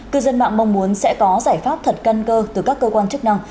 cư dân mạng mong muốn sẽ có giải pháp thật căn cơ từ các cơ quan chức năng